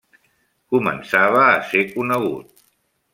Començava a ser conegut.